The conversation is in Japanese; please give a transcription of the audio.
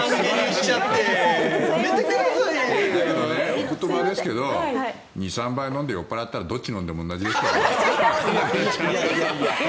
お言葉ですけど２３杯飲んで酔っ払ったらどっちでもおなじです。